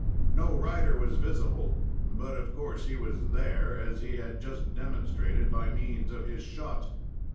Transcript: No rider was visible; but, of course, he was there, as he had just demonstrated by means of his shot.